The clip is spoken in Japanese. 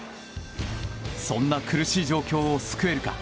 そんな苦しい状況を救えるか。